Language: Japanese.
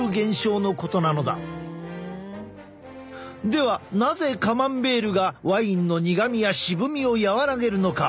ではなぜカマンベールがワインの苦みや渋みを和らげるのか？